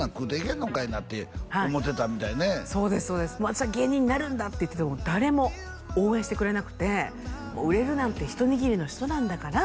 「私は芸人になるんだ」って言ってても誰も応援してくれなくて「売れるなんて一握りの人なんだから」